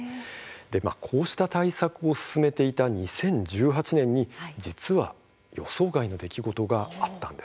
こうした対策を進めていた２０１８年に実は予想外の出来事があったんです。